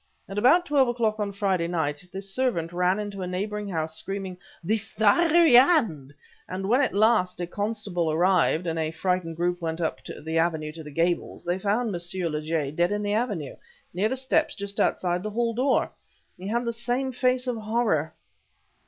At about twelve o'clock on Friday night this servant ran into a neighboring house screaming 'the fiery hand!' and when at last a constable arrived and a frightened group went up the avenue of the Gables, they found M. Lejay, dead in the avenue, near the steps just outside the hall door! He had the same face of horror..."